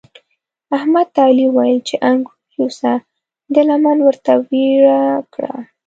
احمد ته علي وويل چې انګور یوسه؛ ده لمن ورته ويړه کړه.